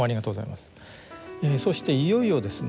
そしていよいよですね